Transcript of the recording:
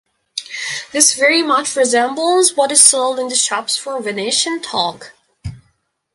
This very much resembles what is sold in the shops for Venetian talc.